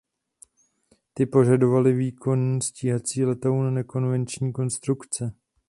Ty požadovaly výkonný stíhací letoun nekonvenční konstrukce.